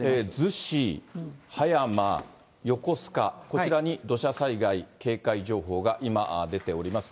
逗子、葉山、横須賀、こちらに土砂災害警戒情報が今、出ております。